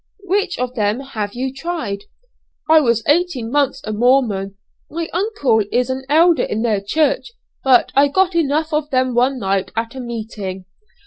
"Which of them have you tried?" "I was eighteen months a Mormon. My uncle is an elder in their church; but I got enough of them one night at a meeting.